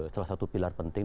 salah satu pilar penting